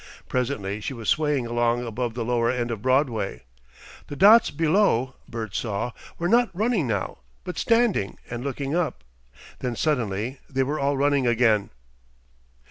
Presently she was swaying along above the lower end of Broadway. The dots below, Bert saw, were not running now, but standing and looking up. Then suddenly they were all running again.